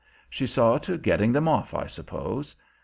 She saw to getting them off, I suppose.